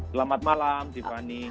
selamat malam dipani